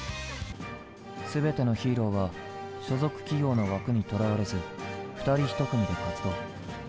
全てのヒーローは所属企業の枠にとらわれず２人１組で活動。